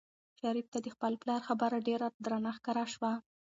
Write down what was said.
شریف ته د خپل پلار خبره ډېره درنه ښکاره شوه.